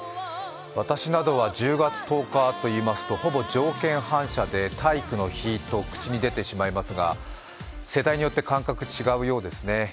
私などは１０月１０日といいますとほぼ条件反射で体育の日と口に出てしまいますが世代によって感覚が違うようですね。